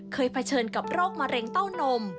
เผชิญกับโรคมะเร็งเต้านม